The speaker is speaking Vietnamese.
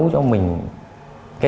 của hoàng pháp xích